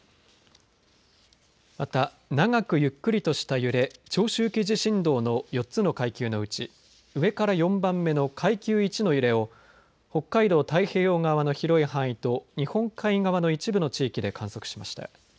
また、長くゆっくりとした揺れ長周期地震動の４つの階級のうち上から４番目の階級１の揺れを北海道太平洋側の広い範囲と日本海側の一部の地域で観測しました。